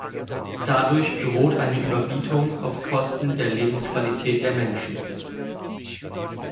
Dadurch droht eine Überbietung auf Kosten der Lebensqualität der Menschen.